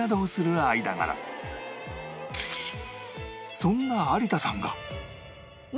そんな有田さんが